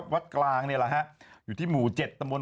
วัดกลางอยู่ที่หมู่๗ตม